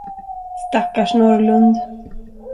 Stackars Norrlund!